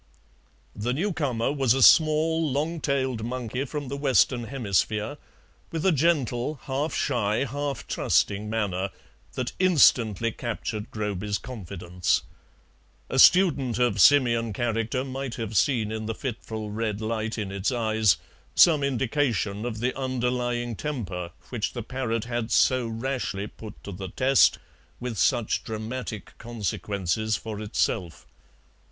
The new comer was a small, long tailed monkey from the Western Hemisphere, with a gentle, half shy, half trusting manner that instantly captured Groby's confidence; a student of simian character might have seen in the fitful red light in its eyes some indication of the underlying temper which the parrot had so rashly put to the test with such dramatic consequences for itself.